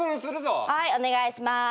はいお願いしまーす。